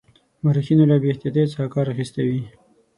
مورخینو له بې احتیاطی څخه کار اخیستی وي.